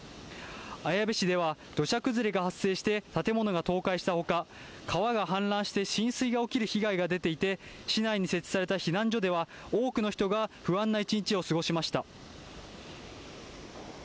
綾部市では土砂崩れが発生して、建物が倒壊したほか、川が氾濫して浸水が起きる被害が出ていて、市内に設置された避難所では、多くの人が不安な一日を過ごしました。